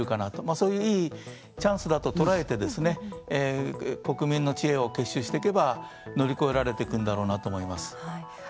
そういういいチャンスだと捉えて国民の知恵を結集していけば乗り越えられていくんだと思います。